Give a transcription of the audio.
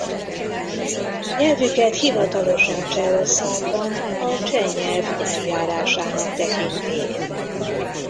Nyelvüket hivatalosan Csehországban a cseh nyelv nyelvjárásának tekintik.